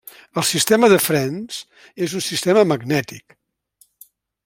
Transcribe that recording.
El sistema de frens és un sistema magnètic.